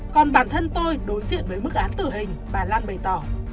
còn bản thân tôi đối diện với mức án tử hình bà lan bày tỏ